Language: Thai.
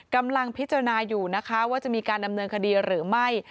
กำลังพิจารณาอยู่นะคะว่าจะมีการดำเนินคดีหรือไม่